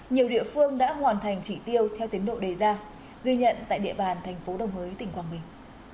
nhiều địa phương đã hoàn thành chỉ tiêu theo tiến độ đề ra ghi nhận tại địa bàn thành phố đồng hới tỉnh quảng bình